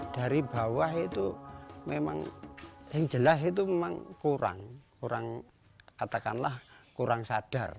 dari bawah itu memang yang jelas itu memang kurang katakanlah kurang sadar